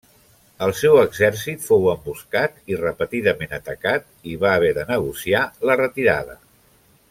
El seu exèrcit fou emboscat i repetidament atacat i va haver de negociar la retirada.